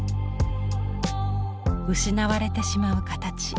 失われてしまう形。